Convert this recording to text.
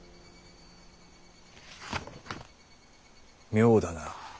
妙だな。